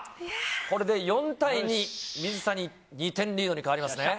これで４対２、水谷２点リードに変わります。